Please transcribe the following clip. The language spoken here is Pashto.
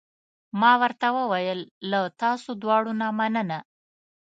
ما ورته وویل: له تاسو دواړو نه مننه.